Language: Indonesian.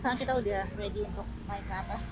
sekarang kita udah ready untuk naik ke atas